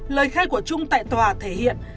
lời khai của trung tại tòa thể hiện